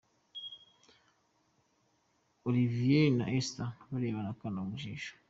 Olivier na Esther barebana akana mu jisho,.